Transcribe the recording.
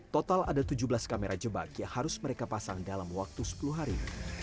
total ada tujuh belas kamera jebak yang harus mereka pasang dalam waktu sepuluh hari